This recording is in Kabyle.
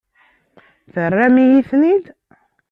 Terram-iyi-ten-id?